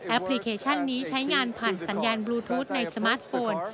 พลิเคชันนี้ใช้งานผ่านสัญญาณบลูทูธในสมาร์ทโฟน